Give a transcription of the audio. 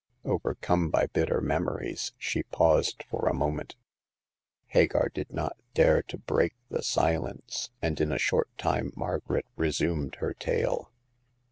Overcome by bitter memories, she paused for a moment. Hagar did not dare to break the silence ; and in a short time Margaret resumed her tale.